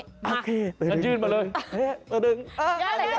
กันยื่นมาเลย